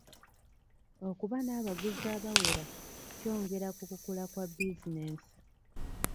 Okuba n'abaguzi abawera kyongera ku kukula kwa bizinensi.